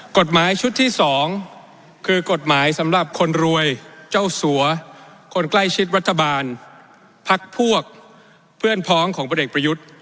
กฎหมายชุดที่๒คือกฎหมายสำหรับคนรวยเจ้าสัวคนใกล้ชิดรัฐบาลพักพวกเพื่อนพ้องของพลเอกประยุทธ์